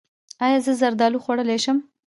ایا زه زردالو خوړلی شم؟